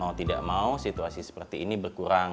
mau tidak mau situasi seperti ini berkurang